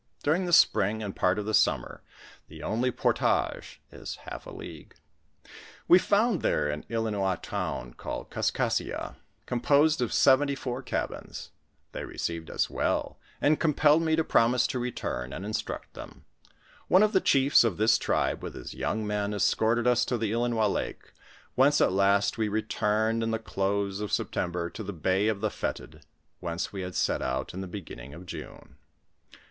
During the spring and part of the summer, the only portage is half a league. . We found there an Uinois town called Kaskaskia, com posed of seventy four cabins ; they received us well, and compelled me to promise to roturn and instruct tliem. One of the chiefs of this tribe with his young men, escorted us to the Ilinois lake, whence at last we returned in the close of September to the bay of the Fetid, whence wo had set out in the beginning of June.